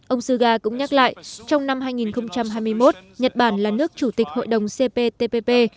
ông suga cũng nhắc lại trong năm hai nghìn hai mươi một nhật bản là nước chủ tịch hội đồng cptpp